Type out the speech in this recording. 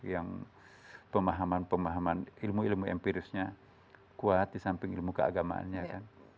yang pemahaman pemahaman ilmu ilmu empirisnya kuat di samping ilmu keagamaannya kan